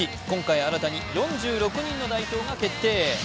今回新たに４６人の代表が決定。